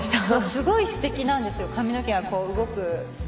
すごいすてきなんです髪の毛が動く。